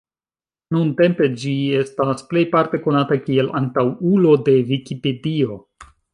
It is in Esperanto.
Nuntempe, ĝi estas plejparte konata kiel antaŭulo de Vikipedio.